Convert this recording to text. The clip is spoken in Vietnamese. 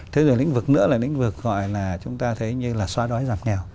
thế rồi lĩnh vực nữa là lĩnh vực gọi là chúng ta thấy như là xóa đói giảm nghèo